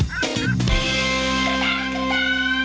พี่โมดเขาไม่ซื้อ